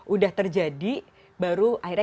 udah terjadi baru akhirnya